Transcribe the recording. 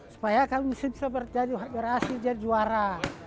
supaya kamu bisa berhasil jadi juara